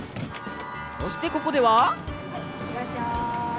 そしてここではいってらっしゃい！